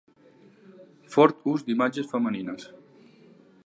Fort ús d'imatges femenines.